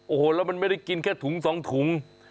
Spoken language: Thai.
โอ้โหแล้วมันไม่ได้กินแค่ถุง๒ถุง